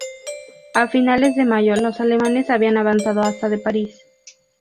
A finales de mayo los alemanes habían avanzado hasta de París.